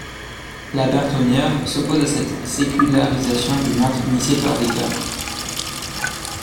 Laberthonnière s'oppose à cette sécularisation du monde initiée par Descartes.